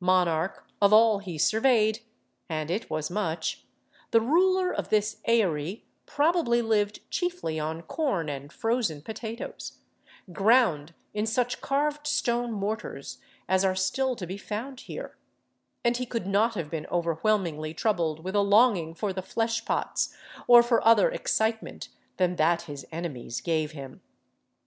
Monarch of all he sur veyed— and it was much — the ruler of this aery probably lived chiefly on corn and frozen potatoes, ground in such carved stone mor tars as are still to be found here; and he could not have been over whelmingly troubled with a longing for the fleshpots or for other ex citement than that his enemies gave him.